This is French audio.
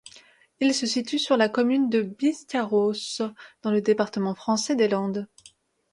Il se situe sur la commune de Biscarrosse, dans le département français des Landes.